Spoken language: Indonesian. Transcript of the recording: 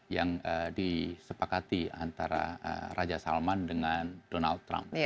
yang disepakati antara raja salman dengan donald trump